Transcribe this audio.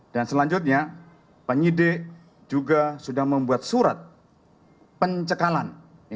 dan selanjutnya penyidik juga sudah membuat surat pencekalan